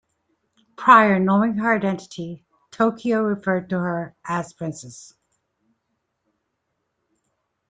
Prior knowing her identity, Tokio referred to her as 'Princess.